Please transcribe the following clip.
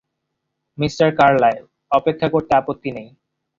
Mister Carlisle, অপেক্ষা করতে আপত্তি নেই।